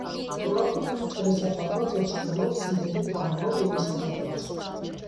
Թողարկում են չերեսապատված և շպոնով, սինթետիկ թաղանթով երեսապատված։